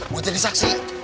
mau jadi saksi